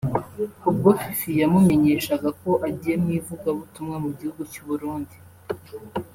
ubwo Fifi yamumenyeshaga ko agiye mu ivugabutumwa mu gihugu cy’uBurundi